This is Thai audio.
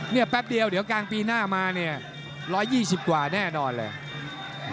แป๊บเดียวเดี๋ยวกลางปีหน้ามาเนี่ย๑๒๐กว่าแน่นอนเลย